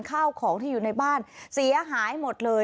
ข้าวของที่อยู่ในบ้านเสียหายหมดเลย